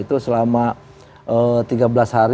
itu selama tiga belas hari kita sediakan